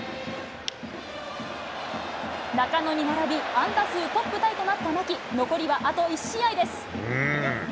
中野に並び、安打数トップタイとなった牧、残りはあと１試合です。